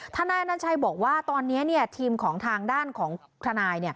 นายอนัญชัยบอกว่าตอนนี้ทีมของทางด้านของทนาย